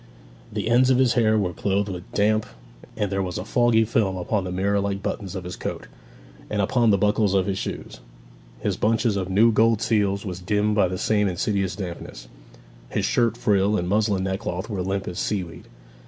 The ends of his hair were clotted with damp, and there was a foggy film upon the mirror like buttons of his coat, and upon the buckles of his shoes. His bunch of new gold seals was dimmed by the same insidious dampness; his shirt frill and muslin neckcloth were limp as seaweed.